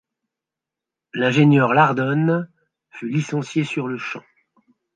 L'ingénieur Lardone fut licencié sur-le-champ.